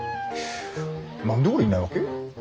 何で俺いないわけ？